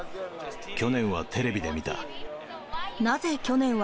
去年はテレビで見た。